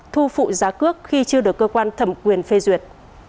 thu phụ giá cước khi chưa được cơ quan thẩm quyền phê duyệt